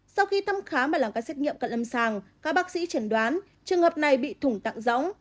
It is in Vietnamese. sau khi thăm khám và làm các xét nghiệm cận âm sàng các bác sĩ chẳng đoán trường hợp này bị thủng tặng rỗng